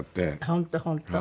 本当本当。